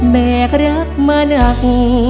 แม่ก็รักมาหนัง